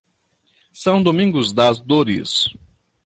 São Domingos das Dores